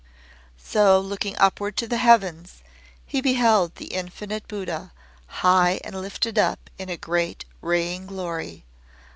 So, looking upward to the heavens, he beheld the Infinite Buddha, high and lifted up in a great raying glory.